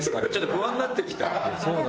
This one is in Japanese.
不安になってきた。